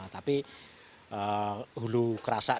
tapi hulu kerasak